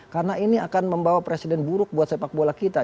karena ini akan membawa presiden buruk buat sepak bola kita